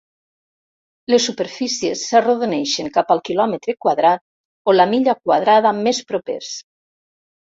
Les superfícies s'arrodoneixen cap al quilòmetre quadrat o la milla quadrada més propers.